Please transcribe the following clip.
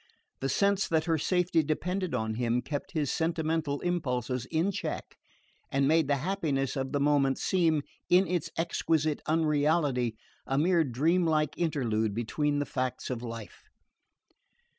The sense that her safety depended on him kept his sentimental impulses in check and made the happiness of the moment seem, in its exquisite unreality, a mere dreamlike interlude between the facts of life.